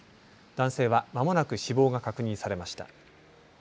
男性は、まもなく死亡が確認されました。